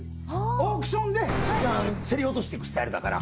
オークションで競り落としていくスタイルだから。